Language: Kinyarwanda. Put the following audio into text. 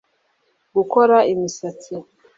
gukora imisatsi